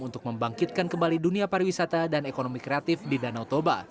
untuk membangkitkan kembali dunia pariwisata dan ekonomi kreatif di danau toba